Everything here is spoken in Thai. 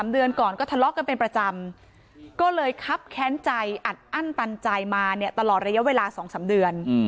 เดือนก่อนก็ทะเลาะกันเป็นประจำก็เลยคับแค้นใจอัดอั้นตันใจมาเนี่ยตลอดระยะเวลา๒๓เดือน